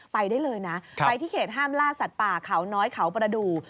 ไปได้เลยนะไปที่เขตห้ามล่าสัตว์ป่าเขาน้อยเขาประดูก